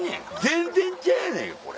全然ちゃうやないかこれ！